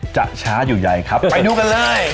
ช้าอยู่ใหญ่ครับไปดูกันเลย